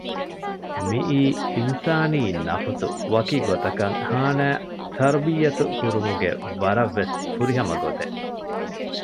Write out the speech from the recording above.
މިއީ އިންސާނީ ނަފުސު ވަކިގޮތަކަށް ހާނައި ތަރްބިޔަތު ކުރުމުގެ ވަރަށްވެސް ފުރިހަމަ ގޮތެއް